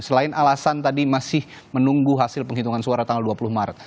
selain alasan tadi masih menunggu hasil penghitungan suara tanggal dua puluh maret